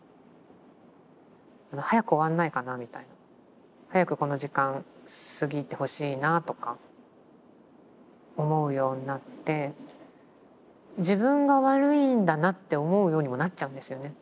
早く終わんないかなみたいな早くこの時間過ぎてほしいなぁとか思うようになって自分が悪いんだなって思うようにもなっちゃうんですよね。